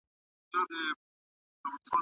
دومره ستړی سو چي ځان ورڅخه هېر سو